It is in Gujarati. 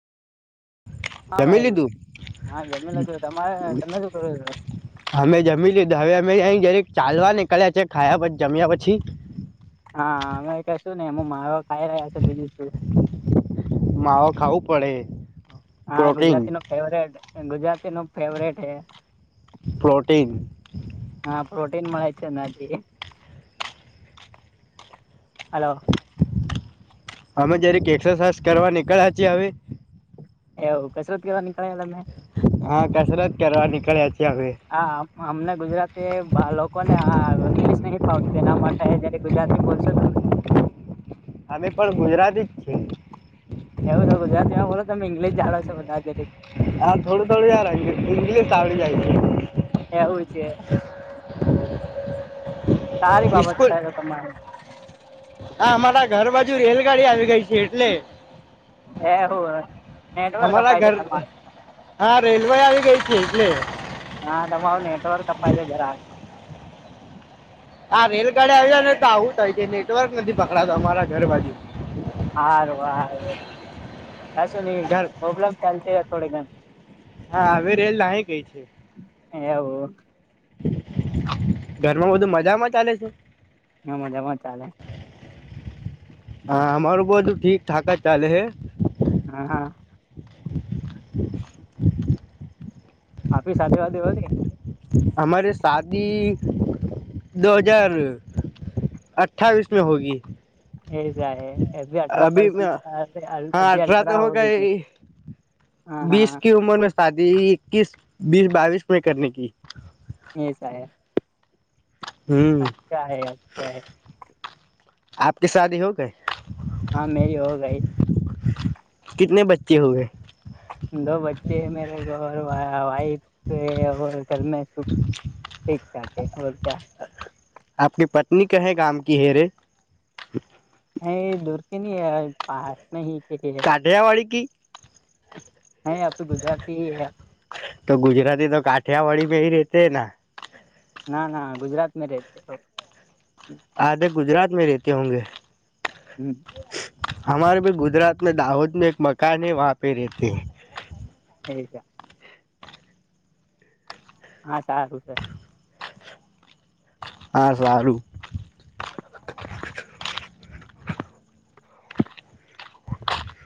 હા જમી ભાઈ લીધું હા. જમલ હતું. તમારે તમે શું કરું છું? અમે જમી લીધું. હવે અમે અ જરેક ચાલવા નીકળ્યા છે. ખાયા પછી જમ્યા પછી. હા! અમે કે શું ને એમ મારો ખાઈ રહ્યા છે. બીજું શું? માવ ખાવું પડે. હા! પ્રોટીન ગુજરાતી નું ફેવરેટ. ગુજરાતી નું ફેવરેટ હે પ્રોટીન. હા! પ્રોટીીન મળ છે નજથી. હલો. અમે જ્યારેક એક્સરસાઇઝ કરવા નીકળ્યાીએ હવે. એવું. કસરત કવા નની ક એ તમે? હા કસરત કરવા નીકળ્યા છીએ હવે. હા અમને ગુજરાતી લોકોને ઇંગ્લિશ નહી ફાવતું. એના માટે જયારે ગુજરાતી. બોલશો તમે. અમે પણ ગુજરાતી જ છીએ. એવું તો ગુજરાતીમાં બોલો તમે. ઇંગ્િશ જાાવ છો બધાજ. હ થોડું થોડીુંાર. ઇંગ્લીશ ત આવળ જાય છે. એવું છે. સારી છે બાબત ક સ્કૂલ છે તમારે. હા! અમારા ઘર બાજુ, રેલગાડી આવી ગઈ છે એટલે. એ હોું. નેટવર્ક અમારા ફાયદ ઘર તમારે. હા રેલવે આવી ગઈ છે એટલે હા તમારૂ નેટવર્ કપાય છે જરા હા રેલગાડીે આવ્યા ને. આવું થાય કે, નેટવર્ક નથી પકડાતો. અમારા ઘર બાજુ. હારું હારુ. કસું નહી ઘર પ્રોબ્લેમ ચાલ થોડે ઘણ. હા! હવે રેલ આવી કઈ છે. એવું. ઘરમાં બધું મજામાં ચાલે છે? હા મજામા ચાલે. હા અમારું બધું ઠીક ઠાક જ ચાલે હે હમ હા આપી સાથેદી વા હોય. હમારે શાદી દો હજાર અઠ્ઠાવીસ મે હોગી. એસા અી અ્ટ્રા અભી પ્લસ હા અભી અઠરા અલ્ટ્રા હો કે બીસ કી ઉમર મે શાદી કીસ બીસ બાવીસ મે કર નેકી એ સાહે હમ્મ [unintelligible] આપકી શાદી હો ગઈ હા મેરી હો ગઈ. કીતને બચ્ચે હો ગયે દો બચ્ચે હ મેરે વાઇફ ઘરમાં ઠીક છે ઓકે હોર ક્યા આપની પત્ની કહે ગામ કી હેરેે હ એ દૂરથી ન હ પાસ નહી કે આઢેયાવાળ ક હ આ તો ગુજરાતીય કી હે તો ગુજરાતી તો કાઠિયાવાડી મે હી રેહતે હે ના ના ના ગુજરાત મે રહેતે. આધે ગુજરાત મે રતે હોગે. હમ અમારે ભી ગુજરાત દાહોદ મે એક મકાન હે વાહ પે રતે એ છે. હા સારું છે. હા સારું